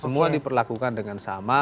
semua diperlakukan dengan sama